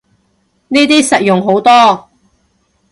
呢啲實用好多